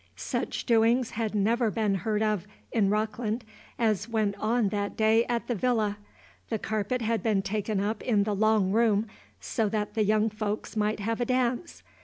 Such doings had never been heard of in Rockland as went on that day at the "villa." The carpet had been taken up in the long room, so that the young folks might have a dance.